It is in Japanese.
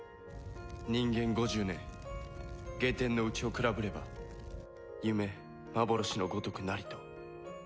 「人間五十年下天のうちを比ぶれば夢幻の如くなり」と。